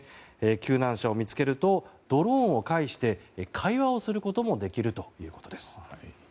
救難者を見つけるとドローンを介して会話をすることもできるということです。